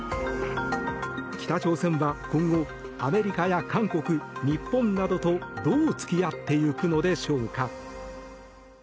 北朝鮮は今後アメリカや韓国、日本などとどう付き合っていくのでしょうか？